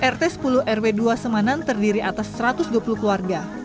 rt sepuluh rw dua semanan terdiri atas satu ratus dua puluh keluarga